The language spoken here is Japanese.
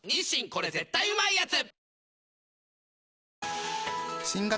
これ絶対うまいやつ」